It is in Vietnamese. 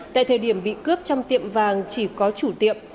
tại thời điểm bị cướp trong tiệm vàng chỉ có chủ tiệm